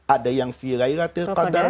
ada yang filailatil qadar